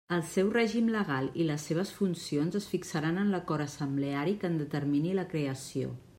El seu règim legal i les seves funcions es fixaran en l'acord assembleari que en determini la creació.